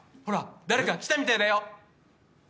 ほら誰か来たみたいだよ。